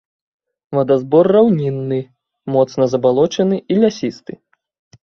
Вадазбор раўнінны, моцна забалочаны і лясісты.